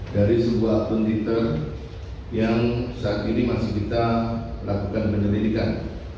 dari sebuah akun twitter yang saat ini masih kita lakukan penyelidikan